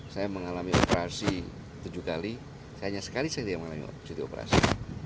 saya mengalami operasi tujuh kali hanya sekali saya mengalami cuti operasi